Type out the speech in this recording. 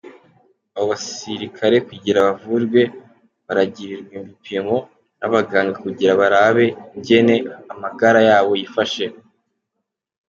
Abo basirikare kugira bavurwe, baragirirwa ibipimo n'abaganga kugira barabe ingene amagara yabo yifashe.